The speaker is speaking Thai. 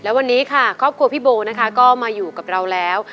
และวันนี้ค่ะครอบครัวพี่โบนะคะก็มาอยู่กับเราแล้ว